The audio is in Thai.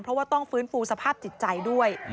เพราะว่าต้องฟื้นฟูสภาพจิตใจด้วย